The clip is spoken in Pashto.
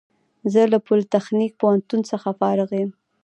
زه له پولیتخنیک پوهنتون څخه فارغ یم